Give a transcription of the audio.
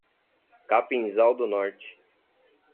Capinzal do Norte